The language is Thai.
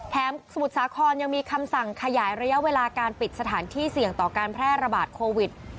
สมุทรสาครยังมีคำสั่งขยายระยะเวลาการปิดสถานที่เสี่ยงต่อการแพร่ระบาดโควิด